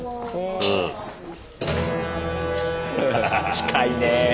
近いね。